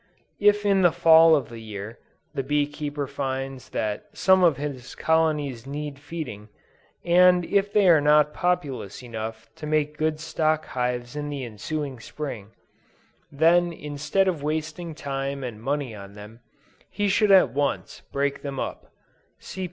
If in the Fall of the year, the bee keeper finds that some of his colonies need feeding, and if they are not populous enough to make good stock hives in the ensuing Spring, then instead of wasting time and money on them, he should at once, break them up; (See p.